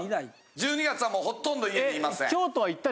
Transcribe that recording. １２月はほとんど家にいません。